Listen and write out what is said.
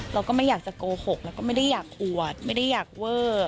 เราก็ไม่อยากจะโกหกแล้วก็ไม่ได้อยากอวดไม่ได้อยากเวอร์